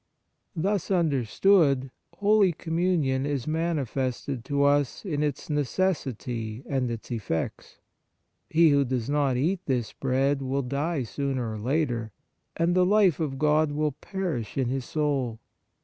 Thus understood, Holy Communion is manifested to us in its necessity and in its effects. He who does not eat this bread will die sooner or later, and the* life of God will perish in his soul.